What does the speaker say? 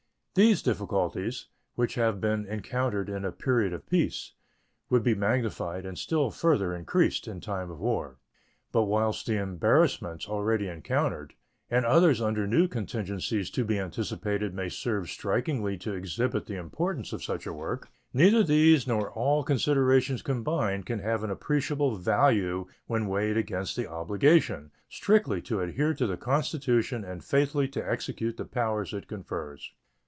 These difficulties, which have been encountered in a period of peace, would be magnified and still further increased in time of war. But whilst the embarrassments already encountered and others under new contingencies to be anticipated may serve strikingly to exhibit the importance of such a work, neither these nor all considerations combined can have an appreciable value when weighed against the obligation strictly to adhere to the Constitution and faithfully to execute the powers it confers.